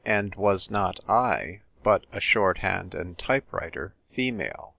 and was not I but a Shorthand and Type writer (female)